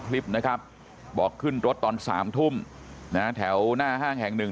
คลิปนะครับบอกขึ้นรถตอน๓ทุ่มนะแถวหน้าห้างแห่งหนึ่ง